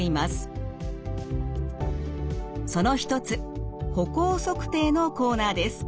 その一つ歩行測定のコーナーです。